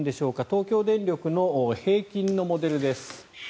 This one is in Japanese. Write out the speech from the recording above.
東京電力の平均のモデルです。